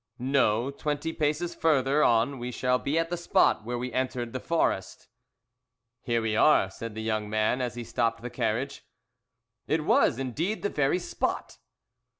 "No; twenty paces further on we shall be at the spot where we entered the forest." "Here we are," said the young man, as he stopped the carriage. It was, indeed, the very spot!